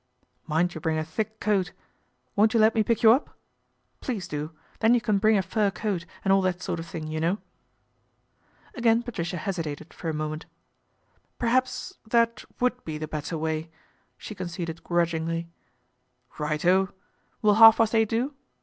" Mind you bring a thick coat. Won't you let me pick you up ? Please do, then you can bring a fur coat and all that sort of thing, you know." Again Patricia hesitated for a moment. " Per haps that would be the better way," she con ceded grudgingly. " Right oh ! Will half past eight do